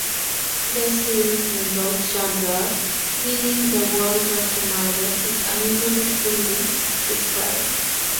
The series mingles genres, meaning the world of the Marlows is unusually fully described.